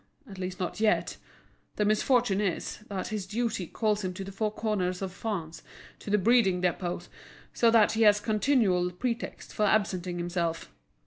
At least not yet. The misfortune is, that his duty calls him to the four corners of France, to the breeding depots, so that he has continual pretexts for absenting himself.